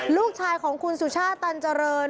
ลูกชายของคุณสุชาติตันเจริญ